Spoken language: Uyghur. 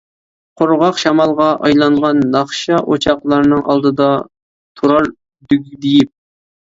قۇرغاق شامالغا ئايلانغان ناخشا، ئوچاقلارنىڭ ئالدىدا تۇرار دۈگدىيىپ.